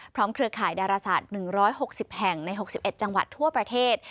เครือข่ายดาราศาสตร์๑๖๐แห่งใน๖๑จังหวัดทั่วประเทศ